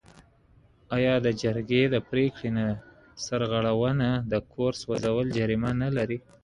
آیا د جرګې د پریکړې نه سرغړونه د کور سوځول جریمه نلري؟